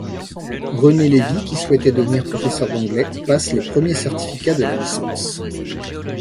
Renée Lévy qui souhaitait devenir professeur d’anglais passe les premiers certificats de la licence.